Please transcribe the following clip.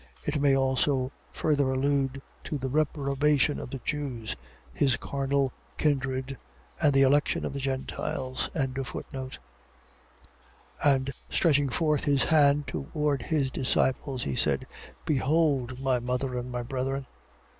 It may also further allude to the reprobation of the Jews, his carnal kindred, and the election of the Gentiles. 12:49. And stretching forth his hand towards his disciples, he said: Behold my mother and my brethren.